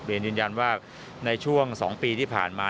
ยืนยันว่าในช่วง๒ปีที่ผ่านมา